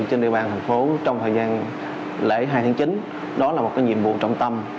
trên địa bàn thành phố trong thời gian lễ hai tháng chín đó là một nhiệm vụ trọng tâm